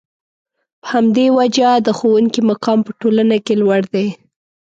په همدې وجه د ښوونکي مقام په ټولنه کې لوړ دی.